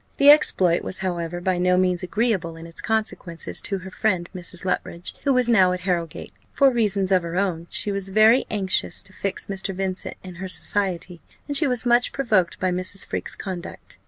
The exploit was, however, by no means agreeable in its consequences to her friend Mrs. Luttridge, who was now at Harrowgate. For reasons of her own, she was very anxious to fix Mr. Vincent in her society, and she was much provoked by Mrs. Freke's conduct.